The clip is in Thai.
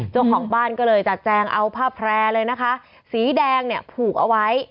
จังหวังบ้านก็เลยจะแจ้งเอาผ้าแพร่เลยนะคะสีแดงพูกเอาไว้